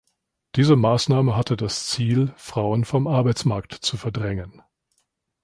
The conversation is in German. Diese Maßnahme hatte das Ziel, Frauen vom Arbeitsmarkt zu verdrängen.